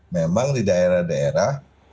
memang di daerah daerah